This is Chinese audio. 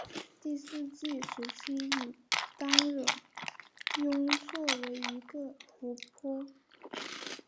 第四纪时期与当惹雍错为一个湖泊。